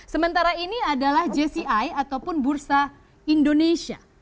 sementara ini adalah jci ataupun bursa indonesia